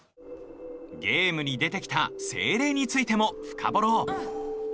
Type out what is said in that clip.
ゲームに出てきた精霊についてもフカボろう！